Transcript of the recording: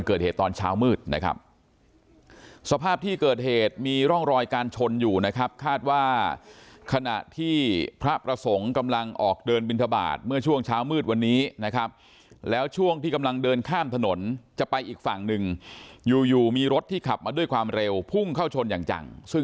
ก็ไม่มีใครเห็นรถข้างนั้นแล้วเพราะมันเกิดตอนเช้ามืด